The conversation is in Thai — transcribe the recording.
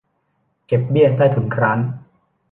เก็บเบี้ยใต้ถุนร้าน